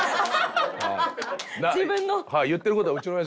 自分の。